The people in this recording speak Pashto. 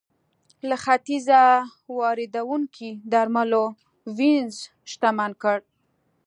له ختیځه واردېدونکو درملو وینز شتمن کړ.